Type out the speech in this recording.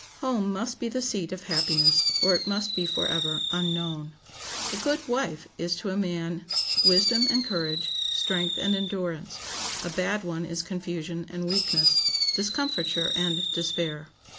Home must be the seat of happiness or it must be forever unknown. A good wife is to a man wisdom and courage, strength and endurance; a bad one is confusion and weakness, discomfiture and despair.